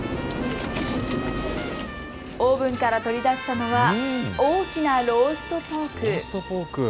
オーブンから取り出したのは大きなローストポーク。